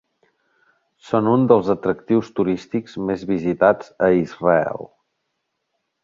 Són un dels atractius turístics més visitats a Israel.